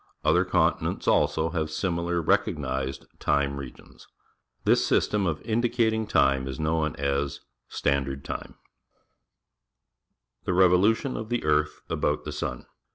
Other con tinents, also, have similar recognized time regions. This system of in dicating time is known as Standard Time^. The Revolution of the Earth about the Sun.